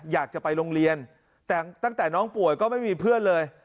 อยากจะไปโรงเรียนแต่ตั้งแต่น้องป่วยก็ไม่มีเพื่อนเลย